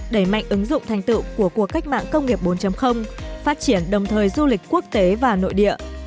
đẩy mạnh ứng dụng thành tựu của cuộc cách mạng công nghiệp bốn phát triển đồng thời du lịch quốc tế và nội địa